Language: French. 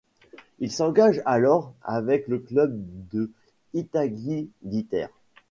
Il s’engage alors avec le club de Itagüí Ditaires.